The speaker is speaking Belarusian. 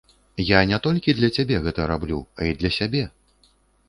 Я не толькі для цябе гэта раблю, а і для сябе.